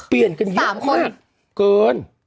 เปลี่ยนกันเยอะมากเกิน